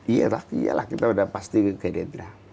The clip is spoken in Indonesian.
iya tapi iyalah kita sudah pasti ke gerindra